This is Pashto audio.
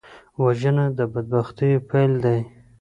وژنه د بدبختیو پیل دی